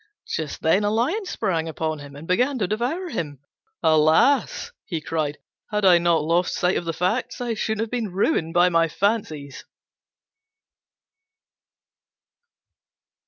Just then a lion sprang upon him and began to devour him. "Alas," he cried, "had I not lost sight of the facts, I shouldn't have been ruined by my fancies."